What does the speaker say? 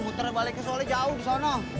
muter baliknya soalnya jauh di sana